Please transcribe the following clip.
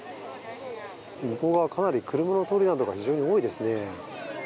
向こう側、かなり車の通りなどが非常に多いですね。